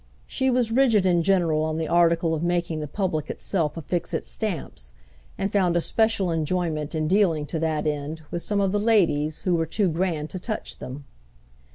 She was rigid in general on the article of making the public itself affix its stamps, and found a special enjoyment in dealing to that end with some of the ladies who were too grand to touch them.